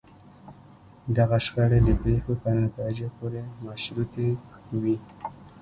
دغه شخړې د پېښو په نتایجو پورې مشروطې وي.